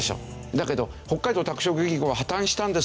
だけど北海道拓殖銀行は破たんしたんですけど